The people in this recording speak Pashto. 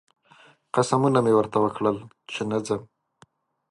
قسمونه مې ورته وکړل چې نه ځم